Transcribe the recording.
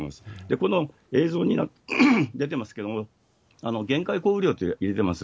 この映像に出てますけれども、限界降雨量というのが出ています。